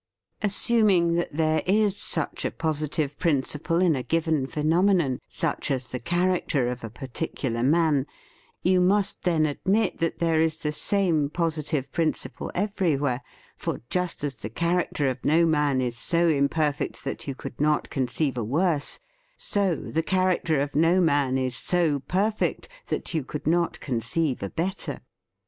Assuming that there is such a positive principle in a given phenomenon — such as the character of a particular man — you must then ad mit that there is the same positive prin ciple everywhere, for just as the char acter of no man is so imperfect that you could not conceive a worse, so the character of no man is so perfect that you could not conceive a better.